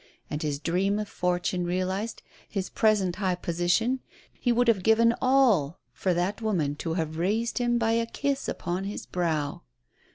And his dream of fortune realized, his present high position, he would have given all for that woman to have raised him by a kiss upon his brow!